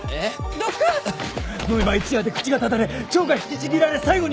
飲めば一夜で口がただれ腸が引きちぎられ最後には死ぬ！